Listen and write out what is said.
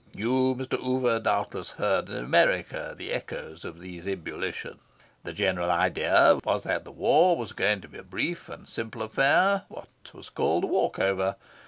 You, Mr. Oover, doubtless heard in America the echoes of those ebullitions. The general idea was that the war was going to be a very brief and simple affair what was called 'a walk over.